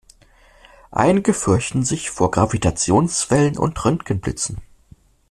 Einige fürchten sich vor Gravitationswellen und Röntgenblitzen.